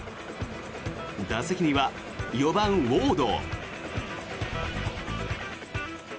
打席には４番、ウォード。